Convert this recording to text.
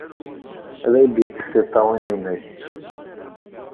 Ad ak-d-yekkes tiṭṭawin-nnek!